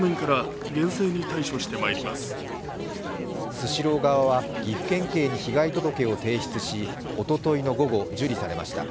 スシロー側は岐阜県警に被害届を提出しおとといの午後、受理されました。